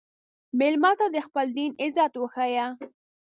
مېلمه ته د خپل دین عزت وښیه.